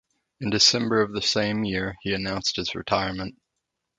In December of the same year, he announced his retirement.